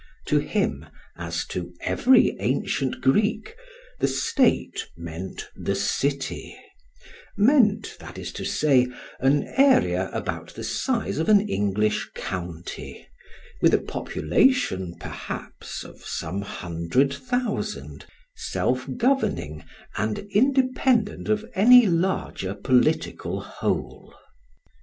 To him, as to every ancient Greek, the state meant the City meant, that is to say, an area about the size of an English county, with a population, perhaps, of some hundred thousand, self governing and independent of any larger political whole.